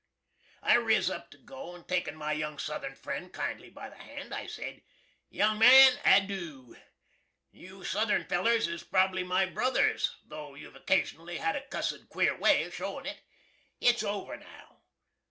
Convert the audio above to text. I riz up to go, & takin' my young Southern fren' kindly by the hand, I sed, "Yung man, adoo! You Southern fellers is probly my brothers, tho' you've occasionally had a cussed queer way of showin' it! It's over now.